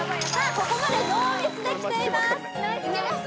ここまでノーミスできています・いけます？